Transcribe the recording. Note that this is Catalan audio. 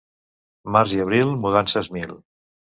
Març i abril, mudances mil.